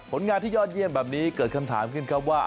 งานที่ยอดเยี่ยมแบบนี้เกิดคำถามขึ้นครับว่า